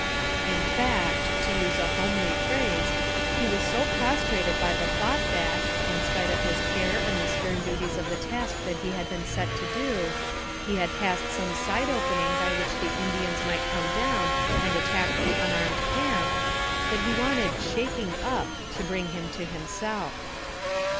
In fact, to use a homely phrase, he was so prostrated by the thought that, in spite of his care and the stern duties of the task that he had been set to do, he had passed some side opening by which the Indians might come down and attack the unarmed camp, that he wanted "shaking up" to bring him to himself.